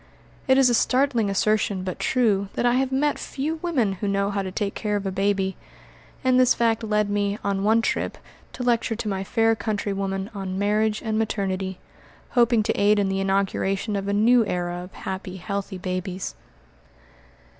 It is a startling assertion, but true, that I have met few women who know how to take care of a baby. And this fact led me, on one trip, to lecture to my fair countrywomen on "Marriage and Maternity," hoping to aid in the inauguration of a new era of happy, healthy babies.